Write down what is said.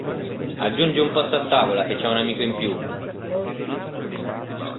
Aggiungi un posto a tavola che c'è un amico in più!